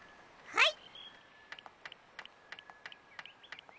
はい！